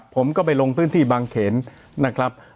ผมก็ไปลงพื้นที่บางเขนนะครับ